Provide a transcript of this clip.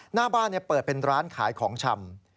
หน้าบ้านเปิดเป็นร้านขายของชำ